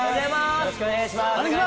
よろしくお願いします。